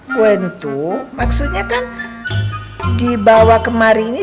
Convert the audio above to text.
kue itu maksudnya kan dibawa kemari ini